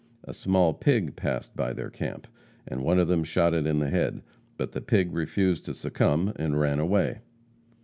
A small pig passed by their camp, and one of them shot him in the head. But the pig refused to succumb, and ran away.